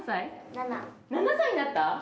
７。７歳になった？